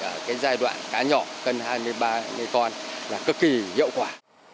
ở giai đoạn cá nhỏ cân hai mươi ba con là cực kỳ hiệu quả